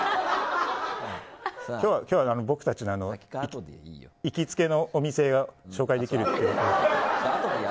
今日は僕たちの行きつけのお店を紹介できるということで。